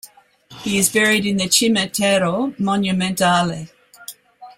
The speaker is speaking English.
He's buried in the "Cimitero Monumentale".